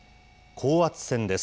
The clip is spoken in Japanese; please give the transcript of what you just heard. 高圧線です。